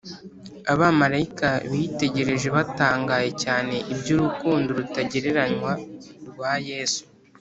abamarayika bitegereje batangaye cyane iby’urukundo rutagereranywa rwa yesu,